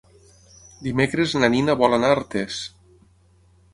Dimecres na Nina vol anar a Artés.